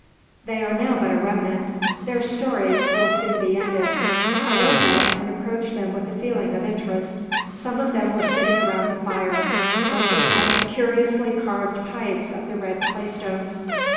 They are now but a remnant. Their story will soon be ended. I rose up, and approached them with a feeling of interest. Some of them were sitting around the fire, smoking out of curiously carved pipes of the red claystone.